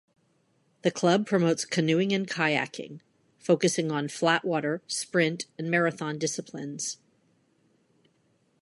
The club promotes canoeing and kayaking, focusing on flatwater, sprint and marathon disciplines.